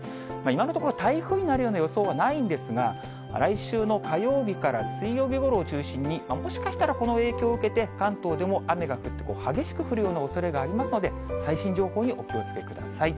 今のところ、台風になるような予想はないんですが、来週の火曜日から水曜日ごろを中心に、もしかしたらこの影響を受けて、関東でも雨が降って、激しく降るようなおそれがありますので、最新情報にお気をつけください。